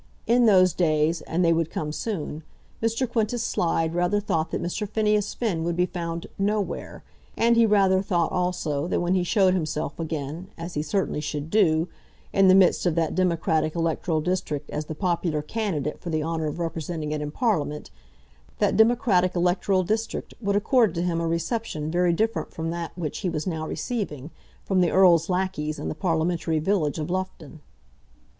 In those days, and they would come soon, Mr. Quintus Slide rather thought that Mr. Phineas Finn would be found "nowhere," and he rather thought also that when he showed himself again, as he certainly should do, in the midst of that democratic electoral district as the popular candidate for the honour of representing it in Parliament, that democratic electoral district would accord to him a reception very different from that which he was now receiving from the Earl's lacqueys in the parliamentary village of Loughton.